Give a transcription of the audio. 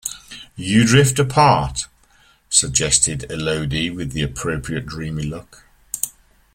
"You drift apart," suggested Elodie with the appropriate dreamy look.